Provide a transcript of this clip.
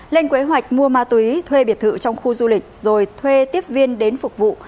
lên kế hoạch mua ma túy thuê biệt thự trong khu du lịch rồi thuê tiếp viên đến phục vụ